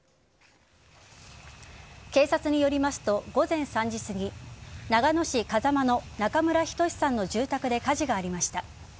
警察によりますと午前３時すぎ長野市風間の中村均さんの住宅で火事がありました。